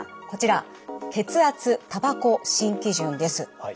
こちら「血圧・タバコ新基準」です。